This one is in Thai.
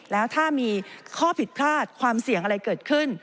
แล้วถ้ามีข้อผิดพลาดความเสี่ยงอะไรเกิดขึ้น